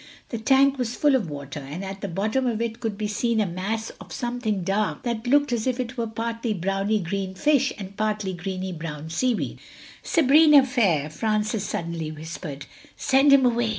The tank was full of water and at the bottom of it could be seen a mass of something dark that looked as if it were partly browny green fish and partly greeny brown seaweed. "Sabrina fair," Francis suddenly whispered, "send him away."